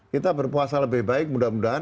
kita berpuasa lebih baik mudah mudahan